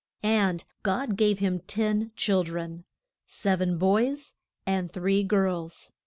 And God gave him ten chil dren: sev en boys and three girls.